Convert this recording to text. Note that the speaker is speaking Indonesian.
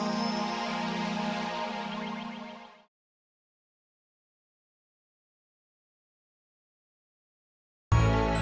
dan sampai sekarang